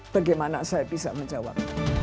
bagaimana saya bisa menjawab